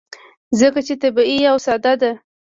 ځکه چې طبیعي او ساده ده.